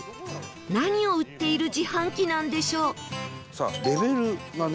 何を売っている自販機なんでしょう？さあレベルがね